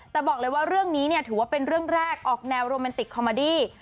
แต่บอกเลยว่าเรื่องนี้เนี่ยถือว่าเป็นเรื่องแรกออกแนวโรแมนติกคอมมาดี้